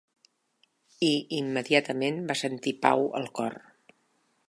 I immediatament va sentir pau al cor.